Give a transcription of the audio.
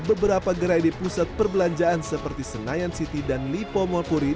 beberapa gerai di pusat perbelanjaan seperti senayan city dan lipo mori